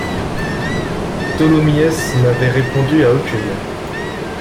Tholomyès n’avait répondu à aucune.